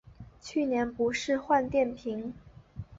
去年不是换电瓶